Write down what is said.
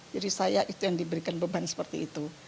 jadi saya itu yang diberikan beban seperti itu